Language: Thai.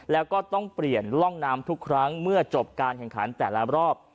แล้วก็ต้องเปลี่ยนร่องน้ำทุกครั้งเมื่อจบการแข่งขันแต่ละรอบ